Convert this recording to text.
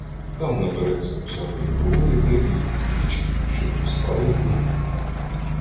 Там набереться усякої голоти, та й лізуть у вічі, щоб поставив горілки.